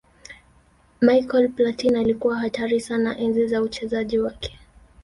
michael platin alikuwa hatari sana enzi za uchezaji wake